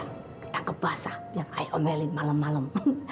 ketangkep basah yang aik omelin malem malem